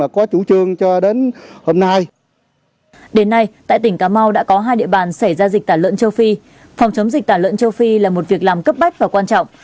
phòng chống dịch tả lợn châu phi là một việc làm cấp bách và quan trọng